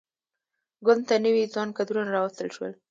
ګوند ته نوي ځوان کدرونه راوستل شول.